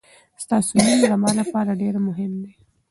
ستاسو نوم زما لپاره ډېر مهم دی.